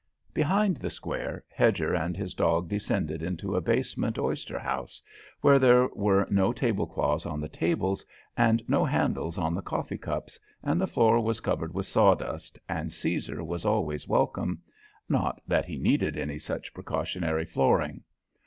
Behind the Square, Hedger and his dog descended into a basement oyster house where there were no tablecloths on the tables and no handles on the coffee cups, and the floor was covered with sawdust, and Caesar was always welcome, not that he needed any such precautionary flooring.